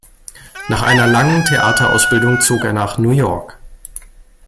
Nach einer langen Theaterausbildung zog er nach New York.